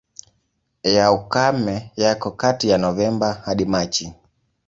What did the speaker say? Ya ukame yako kati ya Novemba hadi Machi.